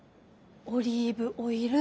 オリーブオイル？